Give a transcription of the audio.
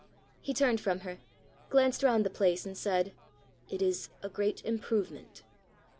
He turned from her, glanced round the place, and said, "It is a great improvement!"